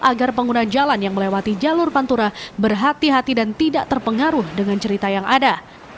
agar pengguna jalan yang melewati jalur pantura berhati hati dan tidak terpengaruh dengan cerita yang ada